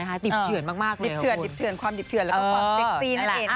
ดิบทืนหรือเปรียงที่มันมากเลยคุณดิบทืนความดิบทืนและความเซ็กซีนั่นเอง